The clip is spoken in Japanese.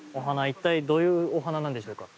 一体どういうお花なんでしょうか。